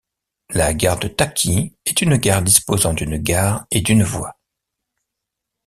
La gare de Taki est une gare disposant d'une gare et d'une voie.